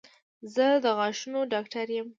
زه د غاښونو ډاکټر یم